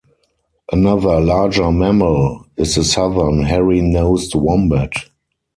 Another larger mammal is the southern hairy-nosed wombat.